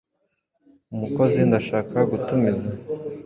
umukozi, ndashaka gutumiza.